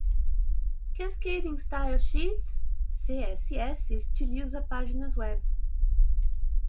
Cascading Style Sheets (CSS) estiliza páginas web.